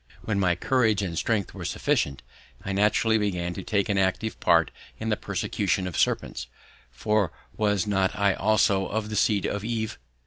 When my courage and strength were sufficient I naturally began to take an active part in the persecution of serpents; for was not I also of the seed of Eve?